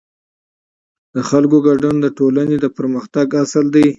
د خلکو ګډون د ټولنې د پرمختګ اصل دی